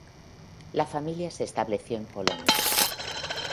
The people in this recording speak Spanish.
La familia se estableció en Polonia.